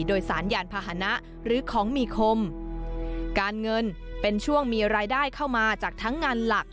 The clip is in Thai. โดยสารยานพาหนะหรือของมีคมการเงินเป็นช่วงมีรายได้เข้ามาจากทั้งงานหลัก